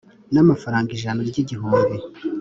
N'amafaranga ijana ry'igihumbi